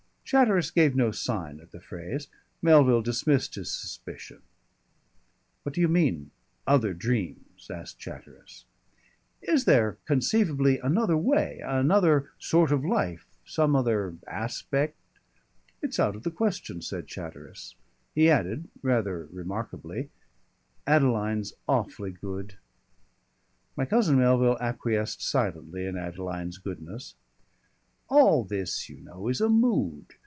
Chatteris gave no sign at the phrase. Melville dismissed his suspicion. "What do you mean other dreams?" asked Chatteris. "Is there conceivably another way another sort of life some other aspect ?" "It's out of the question," said Chatteris. He added, rather remarkably, "Adeline's awfully good." My cousin Melville acquiesced silently in Adeline's goodness. "All this, you know, is a mood.